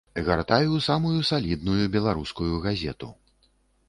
Гартаю самую салідную беларускую газету.